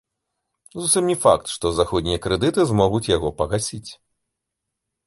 Зусім не факт, што заходнія крэдыты змогуць яго пагасіць.